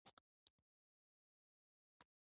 تاریخ لیکل کیږي.